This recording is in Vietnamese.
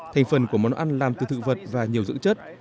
thành phần của món ăn làm từ thực vật và nhiều dưỡng chất